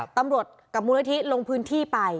ตำรวจกับมูลนิธิลงพื้นที่ไป